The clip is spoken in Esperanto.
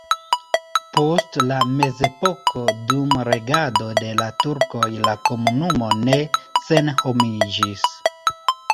Post la mezepoko dum regado de la turkoj la komunumo ne senhomiĝis.